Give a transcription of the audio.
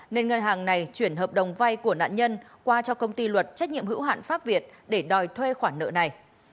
nên ngân hàng này chuyển hợp đồng vay của nạn nhân qua cho công ty luật trách nhiệm hữu hạn pháp việt để đòi thuê khoản nợ này